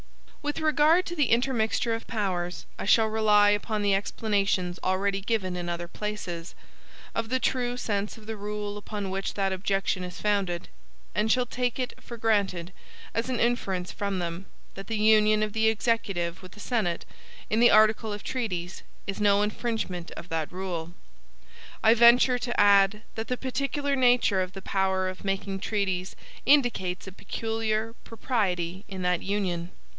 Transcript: With regard to the intermixture of powers, I shall rely upon the explanations already given in other places, of the true sense of the rule upon which that objection is founded; and shall take it for granted, as an inference from them, that the union of the Executive with the Senate, in the article of treaties, is no infringement of that rule. I venture to add, that the particular nature of the power of making treaties indicates a peculiar propriety in that union.